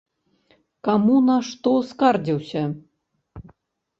Каму на што скардзіўся?